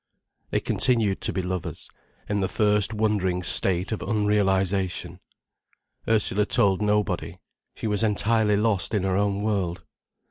They continued to be lovers, in the first wondering state of unrealization. Ursula told nobody; she was entirely lost in her own world.